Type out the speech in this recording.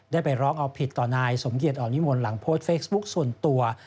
ได้ไปร้องเอาผิดต่อนายสมเกียจอ่อนนิมนต์หลังโพสต์เฟซบุ๊คส่วนตัว